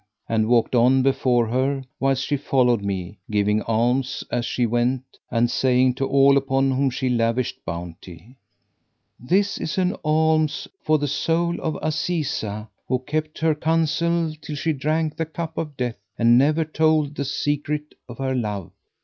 and walked on before her, whilst she followed me, giving alms as she went and saying to all upon whom she lavisht bounty, "This is an alms for the soul of Azizah, who kept her counsel till she drank the cup of death and never told the secret of her love."